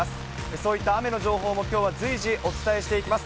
そういった雨の情報もきょうは随時お伝えしていきます。